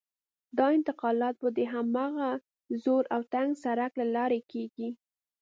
دا انتقالات به د هماغه زوړ او تنګ سړک له لارې کېږي.